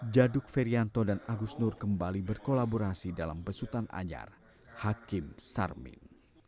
jaduk ferianto dan agus nur kembali berkolaborasi dalam besutan anyar hakim sarmin